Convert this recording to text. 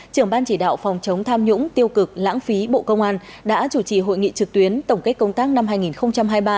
trưởng ban chỉ đạo phòng chống tham nhũng tiêu cực lãng phí bộ công an đã chủ trì hội nghị trực tuyến tổng kết công tác năm hai nghìn hai mươi ba